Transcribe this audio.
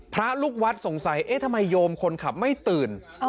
พระลูกวัดสงสัยเอ๊ะทำไมโยมคนขับไม่ตื่น